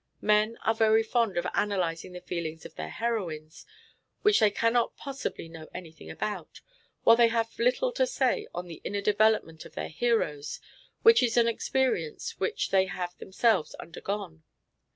Men are very fond of analysing the feelings of their heroines, which they cannot possibly know anything about, while they have little to say of the inner development of their heroes, which is an experience which they have themselves undergone.